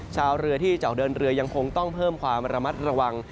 ชาวเรือที่จะออกเดินเรือยังคงต้องเพิ่มความระมัดระวัง